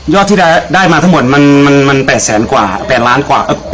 ยอดที่เราได้มาทั้งหมดมันมันมัน๘๐กว่าล้านกว่า